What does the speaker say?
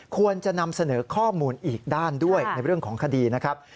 ควรจะนำเสนอข้อมูลอีกด้านด้วยในเรื่องของคดีนะครับ